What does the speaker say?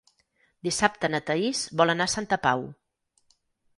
Dissabte na Thaís vol anar a Santa Pau.